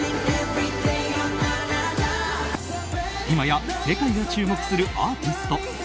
今や世界が注目するアーティスト